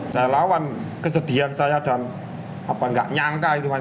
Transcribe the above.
saya lawan kesedihan saya dan gak nyangka gitu mas